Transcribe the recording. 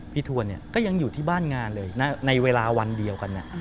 ทวนก็ยังอยู่ที่บ้านงานเลยในเวลาวันเดียวกัน